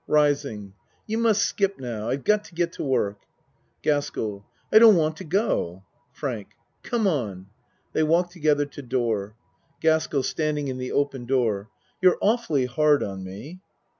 (Ris ing) You must skip now. I've got to get to work! GASKELL I don't want to go. FRANK Come on. (They walk together to door.) GASKELL (Standing in the open door.) You're awfully hard on me.